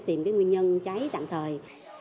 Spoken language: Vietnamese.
tìm cái nguyên nhân cháy tạm thời